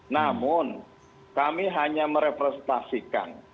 namun kami hanya merepresentasikan